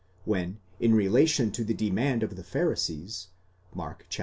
When in relation to the demand of the Pharisees, Mark viii.